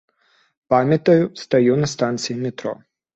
Памятаю, стаю на станцыі метро.